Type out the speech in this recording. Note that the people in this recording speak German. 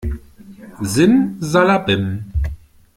Simsalabim!